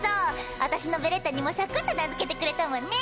私のベレッタにもサクっと名付けてくれたもんね！